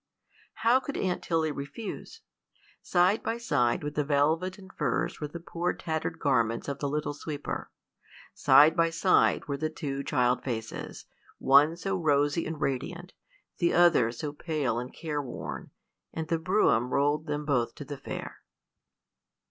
How could Aunt Tilly refuse? Side by side with the velvet and furs were the poor tattered garments of the little sweeper. Side by side were the two child faces, one so rosy and radiant, the other so pale and care worn; and the brougham rolled them both to the Fair.